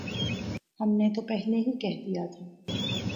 ہم نے تو پہلے ہی کہہ دیا تھا۔